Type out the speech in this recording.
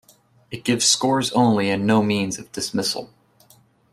It gives scores only and no means of dismissal.